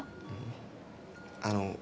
あの。